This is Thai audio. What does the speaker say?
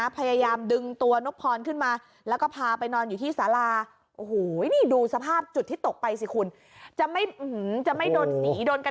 เป็นแบบนี้ค่ะ